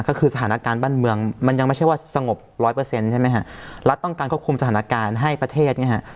ก็คือสถานการณ์บ้านเมืองมันยังไม่ใช่ว่าสงบ๑๐๐ใช่มั้ยค่ะรัฐต้องการควบคุมสถานการณ์ให้ประเทศเนี่ยค่ะ